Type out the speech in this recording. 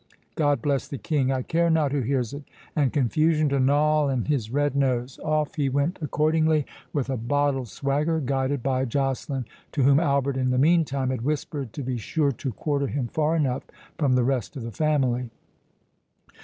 God bless the King! I care not who hears it, and confusion to Noll and his red nose!" Off he went accordingly with a bottle swagger, guided by Joceline, to whom Albert, in the meantime, had whispered, to be sure to quarter him far enough from the rest of the family.